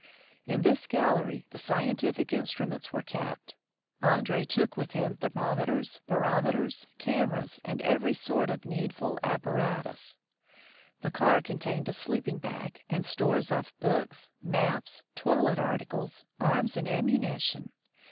In this gallery the scientific instruments were kept. Andree took with him thermometers, barometers, cameras, and every sort of needful apparatus. The car contained a sleeping bag, and stores of books, maps, toilet articles, afms, and ammunition.